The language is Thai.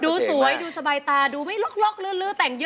ร้องได้ให้ล้านกับพวกเราค่ะ